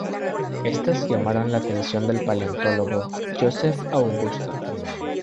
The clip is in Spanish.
Estas llamaron la atención del paleontólogo Josef Augusta.